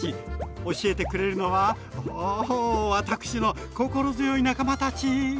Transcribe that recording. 教えてくれるのはお私の心強い仲間たち！